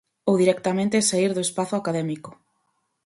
Ou directamente saír do espazo académico.